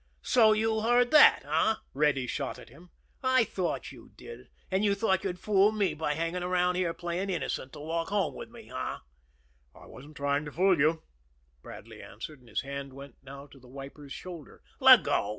"So you heard that, eh?" Reddy shot at him. "I thought you did; and you thought you'd fool me by hanging around there, playing innocent, to walk home with me, eh?" "I wasn't trying to fool you," Bradley answered; and his hand went now to the wiper's shoulder. "Let go!"